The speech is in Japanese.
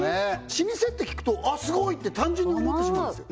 老舗って聞くとあっすごいって単純に思ってしまうんですよ